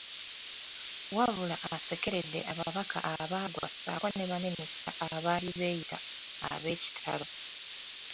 Wabula asekeredde ababaka abaagwa ssaako ne baminista abaali beeyita ab’ekitalo .